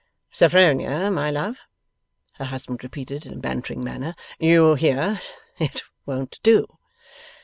'Sophronia, my love,' her husband repeated in a bantering manner, 'you hear? It won't do.